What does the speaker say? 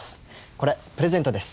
これプレゼントです。